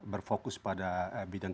berfokus pada bidang